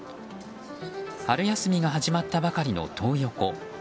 春休みが始まったばかりのトー横。